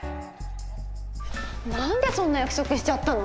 何でそんな約束しちゃったの？